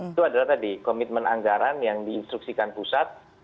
itu adalah tadi komitmen anggaran yang diinstruksikan pusat